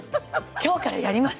今日からやります！